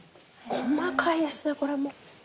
細かいですねこれも。